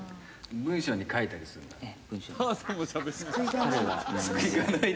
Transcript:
文章に書いたりするの？